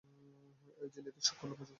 এই ঝিল্লিতে সূক্ষ্ম লোমযুক্ত কোষ থাকে।